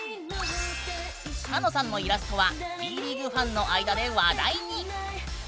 かのさんのイラストはＢリーグファンの間で話題に。